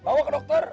bawa ke dokter